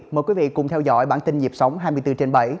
mời quý vị cùng theo dõi bản tin nhịp sống hai mươi bốn trên bảy